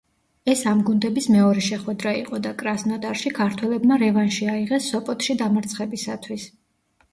ეს ამ გუნდების მეორე შეხვედრა იყო და კრასნოდარში ქართველებმა რევანში აიღეს სოპოტში დამარცხებისათვის.